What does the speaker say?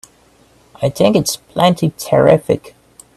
I think it's plenty terrific!